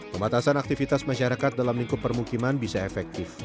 pembatasan aktivitas masyarakat dalam lingkup permukiman bisa efektif